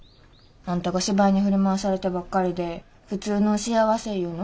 あんたが芝居に振り回されてばっかりで普通の幸せいうの？